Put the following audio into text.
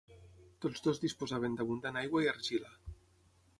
Tots dos disposaven d'abundant aigua i argila.